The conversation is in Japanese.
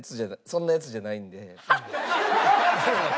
そんなヤツじゃないんで。